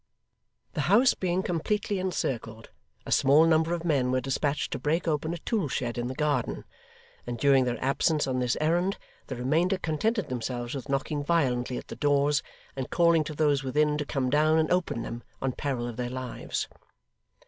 The house being completely encircled, a small number of men were despatched to break open a tool shed in the garden; and during their absence on this errand, the remainder contented themselves with knocking violently at the doors, and calling to those within, to come down and open them on peril of their lives.